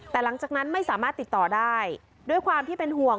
แต่หลังจากนั้นไม่สามารถติดต่อได้ด้วยความที่เป็นห่วง